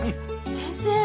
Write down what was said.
先生